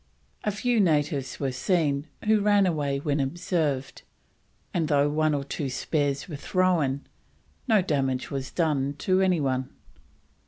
A few natives were seen, who ran away when observed, and though one or two spears were thrown no damage was done to any one.